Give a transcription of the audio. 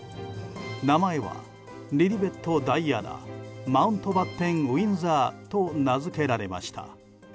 名前は、リリベット・ダイアナ・マウントバッテン・ウィンザーと名づけられました。